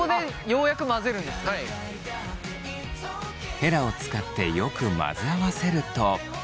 ヘラを使ってよく混ぜ合わせると。